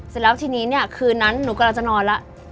เสร็จแล้วทีนี้เนี่ยคืนนั้นหนูกำลังจะนอนแล้ว